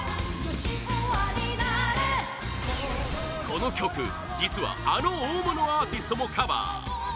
この曲、実はあの大物アーティストもカバー！